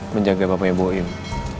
menjaga bapaknya ibu ibu